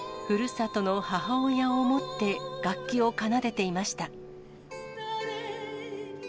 ふるさとの母親を思って、楽器を奏でていました。